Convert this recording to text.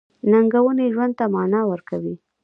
• ننګونې ژوند ته مانا ورکوي.